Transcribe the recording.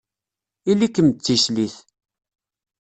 Ili-kem d tislit.